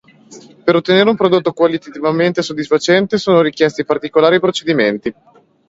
Per ottenere un prodotto qualitativamente soddisfacente sono richiesti particolari procedimenti.